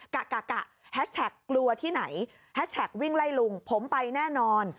กะแฮชแท็กกลัวที่ไหนแฮชแท็กวิ่งไล่ลุงผมไปแน่นอน